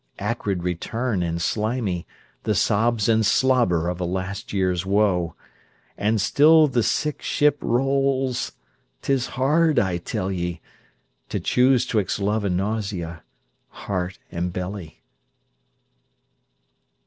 Acrid return and slimy, The sobs and slobber of a last years woe. And still the sick ship rolls. 'Tis hard, I tell ye, To choose 'twixt love and nausea, heart and belly.